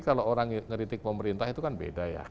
kalau orang ngeritik pemerintah itu kan beda ya